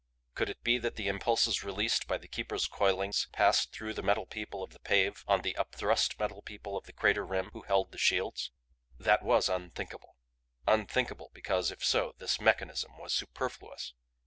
Could it be that the impulses released by the Keeper's coilings passed through the Metal People of the pave on the upthrust Metal People of the crater rim who held the shields? That WAS unthinkable unthinkable because if so this mechanism was superfluous.